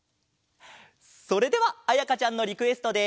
それではあやかちゃんのリクエストで。